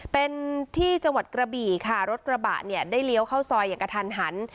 เป็นที่จังหวัดกระบี่ค่ะรถกระบะเนี่ยได้เลี้ยวเข้าซอยอย่างกระทันหัน